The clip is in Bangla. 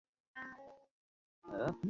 আমিই তাকে পড়াশোনা চালিয়ে যেতে বাধ্য করেছি।